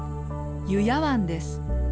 油谷湾です。